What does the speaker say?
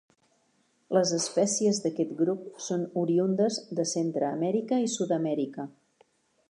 Les espècies d'aquest grup són oriündes de Centreamèrica i Sud-amèrica.